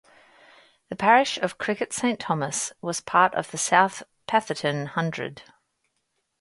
The parish of Cricket Saint Thomas was part of the South Petherton Hundred.